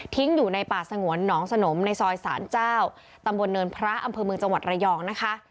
อยู่ในป่าสงวนหนองสนมในซอยสารเจ้าตำบลเนินพระอำเภอเมืองจังหวัดระยองนะคะ